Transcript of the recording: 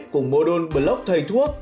của mô đôn blog thầy thuốc